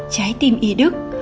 trái tim y đức